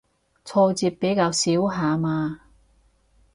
挫折比較少下嘛